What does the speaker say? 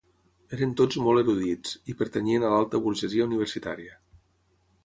Eren tots molt erudits, i pertanyien a l'alta burgesia universitària.